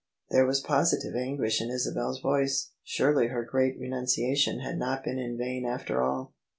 There was positive anguish in Isabel's voice: surely her great renuncia tion had not been in vain after all.